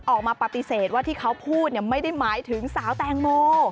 ออกมาปฏิเสธว่าที่เขาพูดไม่ได้หมายถึงสาวแตงโม